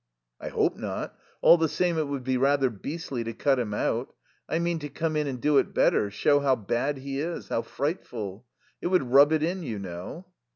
"I hope not. All the same it would be rather beastly to cut him out; I mean to come in and do it better, show how bad he is, how frightful. It would rub it in, you know."